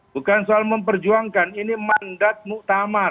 bukan soal memperjuangkan ini mandat muktamar